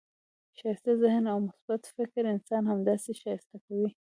ښایسته ذهن او مثبت فکر انسان همداسي ښایسته کوي.